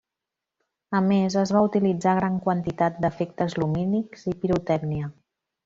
A més es va utilitzar gran quantitat d'efectes lumínics i pirotècnia.